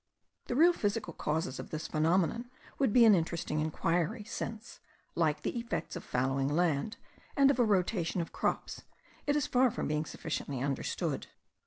The real physical causes of this phenomenon would be an interesting inquiry, since, like the effects of fallowing land, and of a rotation of crops, it is far from being sufficiently understood.